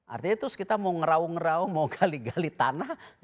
artinya terus kita mau ngeraung ngerau mau gali gali tanah